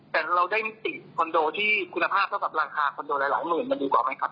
แต่เราได้มิติคอนโดที่คุณภาพเท่ากับราคาคอนโดหลายหมื่นมันดีกว่าไหมครับ